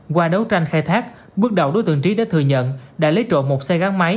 qua đấu tranh khai thác bước đầu đối tượng trí đã thừa nhận đã lấy trộm một xe gắn máy